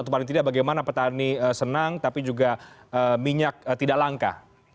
atau paling tidak bagaimana petani senang tapi juga minyak tidak langka